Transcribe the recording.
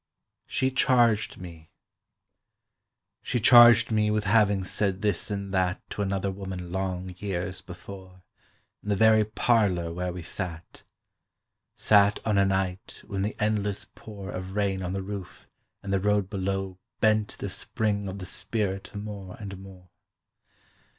"SHE CHARGED ME" SHE charged me with having said this and that To another woman long years before, In the very parlour where we sat,— Sat on a night when the endless pour Of rain on the roof and the road below Bent the spring of the spirit more and more